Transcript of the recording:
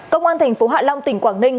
công an tp hạ long tỉnh quảng ninh